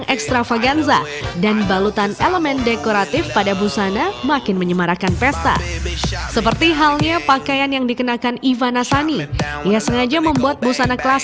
pesta berkonsep era tahun dua puluh an menjadi ajang menampilkan busana elegan dan glamour bagi sejumlah pecinta fashion di surabaya barat rabu malam